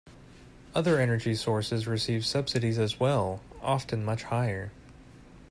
Other energy sources receive subsidies as well, often much higher.